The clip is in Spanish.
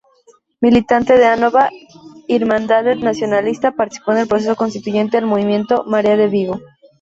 Militante de Anova-Irmandade Nacionalista, participó en el proceso constituyente del movimiento Marea de Vigo.